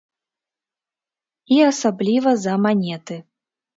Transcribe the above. І асабліва за манеты.